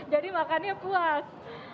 jadi makannya puas